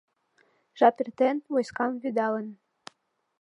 Жап эртен, войскам вӱдалын